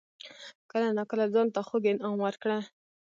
کله ناکله ځان ته خوږ انعام ورکړه.